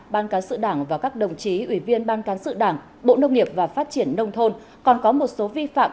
ban cán sự đảng và các đồng chí ủy viên ban cán sự đảng bộ nông nghiệp và phát triển nông thôn còn có một số vi phạm